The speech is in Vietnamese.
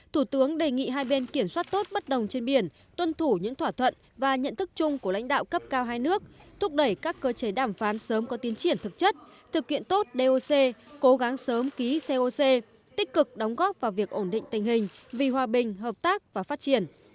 thủ tướng đề nghị hai bên kiểm soát tốt bất đồng trên biển tuân thủ những thỏa thuận và nhận thức chung của lãnh đạo cấp cao hai nước thúc đẩy các cơ chế đàm phán sớm có tiến triển thực chất thực hiện tốt doc cố gắng sớm ký coc tích cực đóng góp vào việc ổn định tình hình vì hòa bình hợp tác và phát triển